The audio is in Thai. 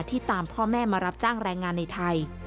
ตามพ่อแม่มารับจ้างแรงงานในไทย